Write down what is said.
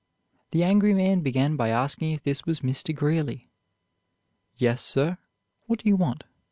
The angry man began by asking if this was Mr. Greeley. "Yes, sir; what do you want?"